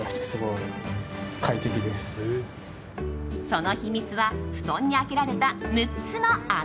その秘密は布団に開けられた６つの穴。